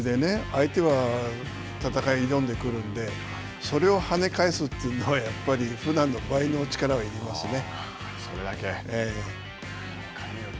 相手は戦いを挑んでくるので、それをはね返すというのはやっぱりふだんの倍の力がいりますね。